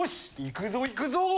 行くぞ行くぞ！